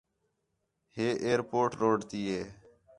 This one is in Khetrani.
ہے ائیر پورٹ روڈ تی ہے